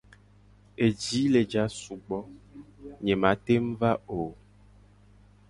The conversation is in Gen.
Eji le ja sugbo, nye ma teng va o.